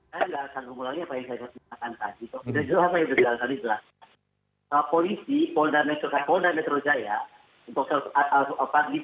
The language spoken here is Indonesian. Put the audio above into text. saya tidak akan kembali apa yang saya katakan tadi